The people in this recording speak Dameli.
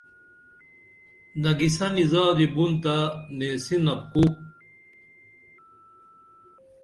نگیسنی زادی بُن تہ نیں سنپ کُو